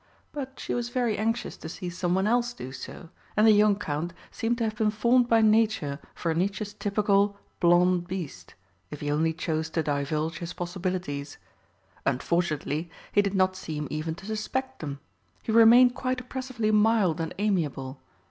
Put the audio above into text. But she was very anxious to see some one else do so, and the young Count seemed to have been formed by Nature for Nietzsche's typical "Blond Beast," if he only chose to divulge his possibilities. Unfortunately, he did not seem even to suspect them; he remained quite oppressively mild and amiable.